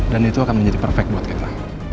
dan itu akan menjadi perfect buat kita